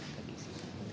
belum ada yang dapat